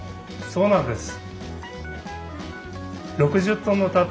そうなんです。